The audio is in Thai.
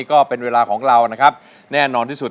ก็เป็นเวลาของเรานะครับแน่นอนที่สุด